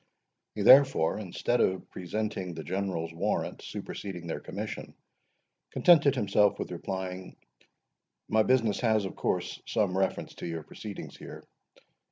He, therefore, instead of presenting the General's warrant superseding their commission, contented himself with replying,—"My business has, of course, some reference to your proceedings here.